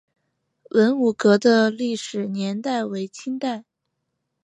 文武阁的历史年代为清代。